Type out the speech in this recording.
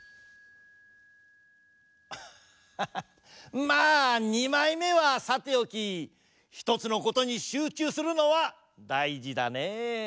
アッハハまあにまいめはさておきひとつのことにしゅうちゅうするのはだいじだねえ。